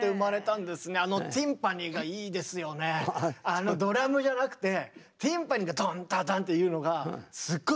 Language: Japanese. あのドラムじゃなくてティンパニーがドンドドンっていうのがすっごい